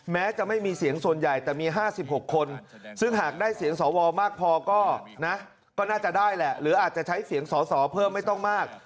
แม้จะไม่มีเสียงส่วนใหญ่แต่มี๕๖คนซึ่งหากได้เสียงสวมากพอก็นะก็น่าจะได้แหละหรืออาจจะใช้เสียงสอสอเพิ่มไม่ต้องมาก